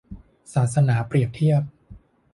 ศาสนาเปรียบเทียบ